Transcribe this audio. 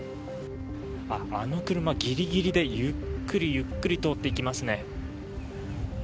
あの車、ギリギリでゆっくりゆっくり通っていきますね。